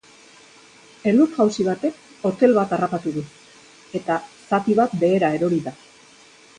Elur-jausi batek hotel bat harrapatu du, eta zati bat behera erori da.